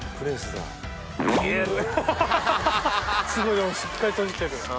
すごいでもしっかりとじてる。